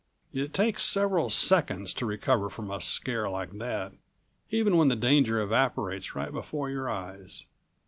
It takes several seconds to recover from a scare like that, even when the danger evaporates right before your eyes.